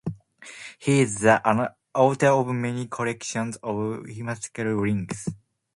He is the author of many collections of whimsical writings.